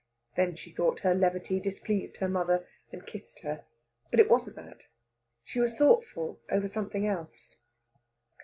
Then she thought her levity displeased her mother, and kissed her. But it wasn't that. She was thoughtful over something else.